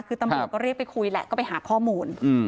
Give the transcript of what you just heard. คือตำรวจก็เรียกไปคุยแหละก็ไปหาข้อมูล